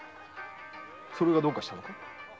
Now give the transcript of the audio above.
それがどうかしたのか？